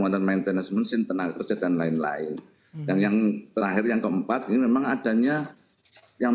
dan yang terakhir yang keempat ini memang adanya